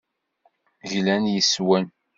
Glant yes-wen.